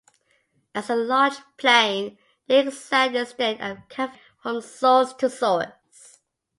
As a large plain, the exact extent can vary from source to source.